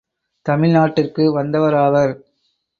தமிழ்நாட்டிற்கு வந்தவராவர்.